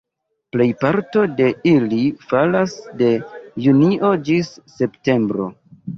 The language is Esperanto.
Plejparto de ili falas de junio ĝis septembro.